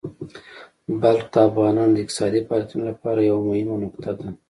بلخ د افغانانو د اقتصادي فعالیتونو لپاره یوه مهمه نقطه ده.